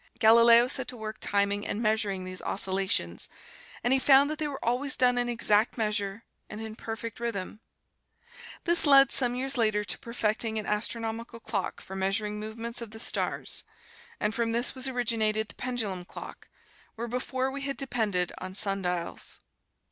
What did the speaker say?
Galileo set to work timing and measuring these oscillations, and he found that they were always done in exact measure and in perfect rhythm. This led, some years later, to perfecting an astronomical clock for measuring movements of the stars. And from this was originated the pendulum clock, where before we had depended on sundials.